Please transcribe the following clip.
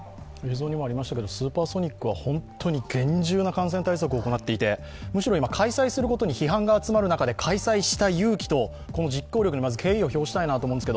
ＳＵＰＥＲＳＯＮＩＣは本当に厳重な感染対策を行っていてむしろ今、開催することに批判が集まる中で開催した勇気と、この実行力にまず敬意を表したいと思うんです。